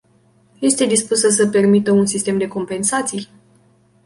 Este dispusă să permită un sistem de compensații?